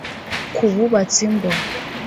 Ku bubatse ingo